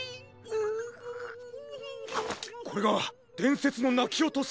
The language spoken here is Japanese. ここれがでんせつのなきおとし？